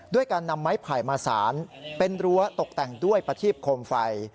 ด้วยการนำไม้ไผ่มาสารเป็นรั้วตกแต่งด้วยประทีบโคมไฟ